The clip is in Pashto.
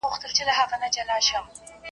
یوه شپه به وي د کور بله د ګور ده .